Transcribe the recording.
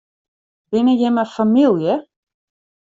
Binne jimme famylje?